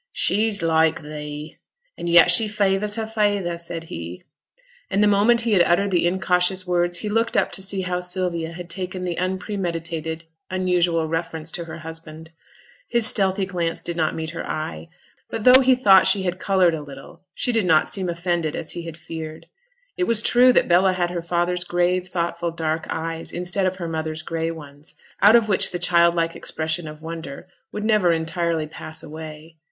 'She's like thee and yet she favours her feyther,' said he; and the moment he had uttered the incautious words he looked up to see how Sylvia had taken the unpremeditated, unusual reference to her husband. His stealthy glance did not meet her eye; but though he thought she had coloured a little, she did not seem offended as he had feared. It was true that Bella had her father's grave, thoughtful, dark eyes, instead of her mother's gray ones, out of which the childlike expression of wonder would never entirely pass away.